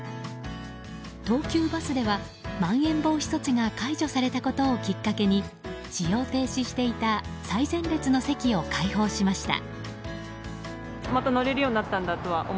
東急バスではまん延防止措置が解除されたことをきっかけに使用停止していた最前列の席を開放しました。